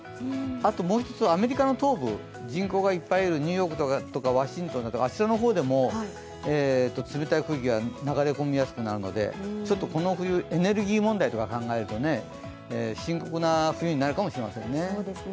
あともう一つ、アメリカの東部、人口がいるニューヨークとかワシントンとかあちらの方でも冷たい空気が流れ込みやすくなるのでこの冬、エネルギー問題とかを考えると深刻な冬になるかもしれませんね。